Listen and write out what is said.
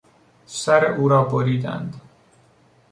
سر او را بریدند.